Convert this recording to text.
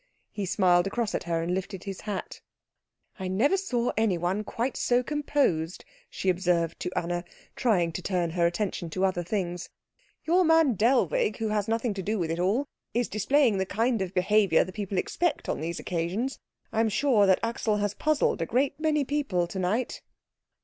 He smiled across at her, and lifted his hat. "I never saw anyone quite so composed," she observed to Anna, trying to turn her attention to other things. "Your man Dellwig, who has nothing to do with it all, is displaying the kind of behaviour the people expect on these occasions. I am sure that Axel has puzzled a great many people to night."